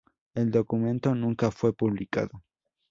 El documento nunca fue publicado.